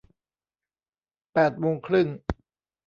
แปดโมงครึ่ง